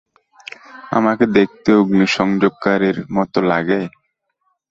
আমাকে দেখতে অগ্নিসংযোগকারীর মত লাগে?